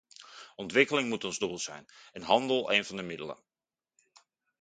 Ontwikkeling moet ons doel zijn en handel een van de middelen.